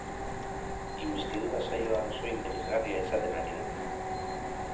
Inbestidura saioa oso interesgarria izaten ari da.